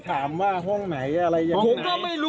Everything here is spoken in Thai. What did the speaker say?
แค่ถามว่าห้องไหนอะไรอย่างไร